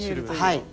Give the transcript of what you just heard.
はい。